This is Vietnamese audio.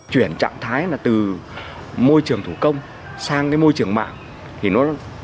chuyển trạng thái từ môi trường thủ công sang môi trường mạng